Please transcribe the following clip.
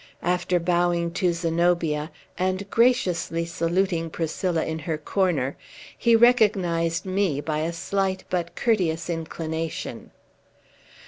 After bowing to Zenobia, and graciously saluting Priscilla in her corner, he recognized me by a slight but courteous inclination.